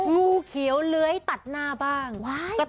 งูเขียวเลื้อยตัดหน้าบ้างณนะคะเอ้า